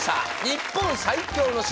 「日本最強の城」。